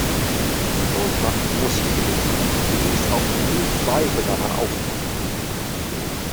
Deutschland musste gewinnen und ließ auch nie Zweifel daran aufkommen.